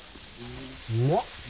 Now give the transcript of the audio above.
うまっ！